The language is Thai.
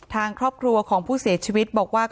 ทางครอบครัวของผู้เสียชีวิตบอกว่า